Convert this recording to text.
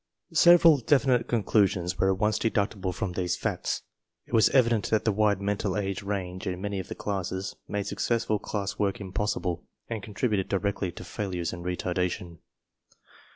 Several definite conclusions were at once deducible from these facts. It was evident that the wide mental age range in many of the classes made successful class work impossible and contributed directly to failures and retardation.